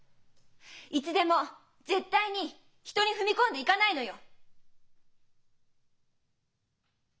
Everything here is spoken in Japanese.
いつでも絶対に人に踏み込んでいかないのよ！